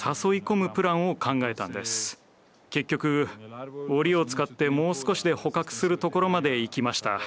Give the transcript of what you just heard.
結局檻を使ってもう少しで捕獲するところまでいきました。